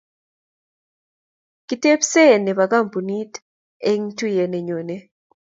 kitepsee neo nebo kampunit eng tuiyet nenyonei